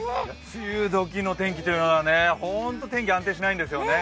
梅雨時の天気というのはホント天気安定しないんですよね。